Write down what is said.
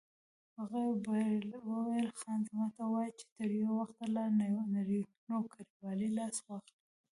هغې وویل: خان زمان ته ووایه چې تر یو وخته له نوکرېوالۍ لاس واخلي.